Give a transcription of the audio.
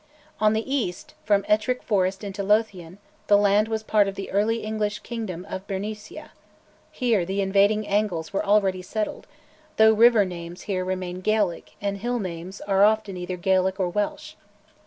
On the east, from Ettrick forest into Lothian, the land was part of the early English kingdom of Bernicia; here the invading Angles were already settled though river names here remain Gaelic, and hill names are often either Gaelic or Welsh.